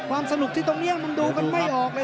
ความสนุกที่ตรงนี้มันดูกันไม่ออกเลย